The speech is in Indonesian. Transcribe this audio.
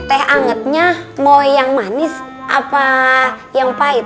teh angetnya mau yang manis apa yang pahit